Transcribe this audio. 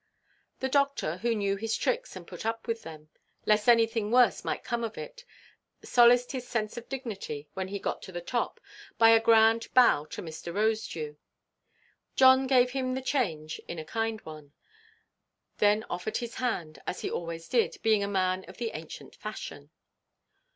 The doctor, who knew his tricks and put up with them, lest anything worse might come of it, solaced his sense of dignity, when he got to the top, by a grand bow to Mr. Rosedew. John gave him the change in a kind one; then offered his hand, as he always did, being a man of the ancient fashion.